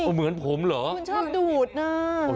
เหมือนผมเหรอคุณชอบดูดนะ